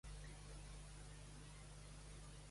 Què et passa, Víctor? —fa el crupier gitano—.